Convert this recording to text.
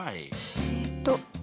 えっと